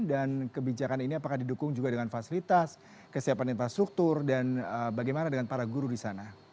dan kebijakan ini apakah didukung juga dengan fasilitas kesiapan infrastruktur dan bagaimana dengan para guru di sana